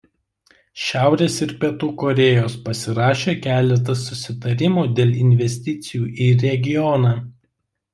Šiaurės ir Pietų Korėjos pasirašė keletą susitarimų dėl investicijų į regioną.